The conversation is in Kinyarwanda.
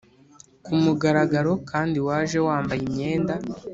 kumugaragaro, kandi waje wambaye imyenda?